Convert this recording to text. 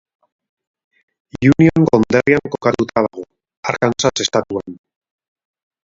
Union konderrian kokatuta dago, Arkansas estatuan.